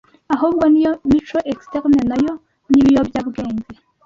ahubwo niyo mico externe nayo n’ibiyobyabwenge